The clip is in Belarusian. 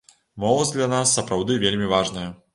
Моладзь для нас сапраўды вельмі важная.